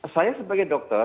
saya sebagai dokter